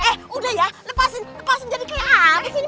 eh udah ya lepasin jadi kayak habis ini